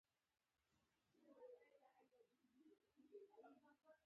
آیا ټرانسپورټي شرکتونه اتحادیه لري؟